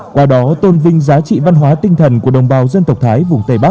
qua đó tôn vinh giá trị văn hóa tinh thần của đồng bào dân tộc thái vùng tây bắc